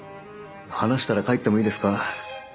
話したら帰ってもいいですか？